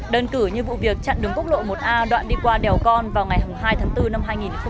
đơn cử như vụ việc chặn đường quốc lộ một a đoạn đi qua đèo con vào ngày hai tháng bốn năm hai nghìn hai mươi